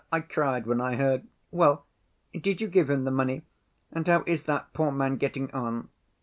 I cried when I heard. Well, did you give him the money and how is that poor man getting on?"